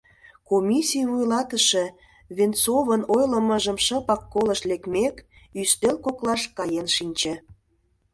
Комиссий вуйлатыше, Венцовын ойлымыжым шыпак колышт лекмек, ӱстел коклаш каен шинче.